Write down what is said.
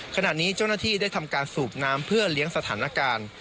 ขณะนี้เจ้าหน้าที่ได้ทำการสูบน้ำเพื่อเลี้ยงสถานการณ์